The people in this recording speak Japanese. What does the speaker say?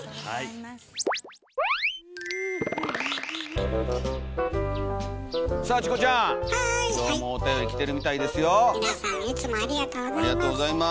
皆さんいつもありがとうございます。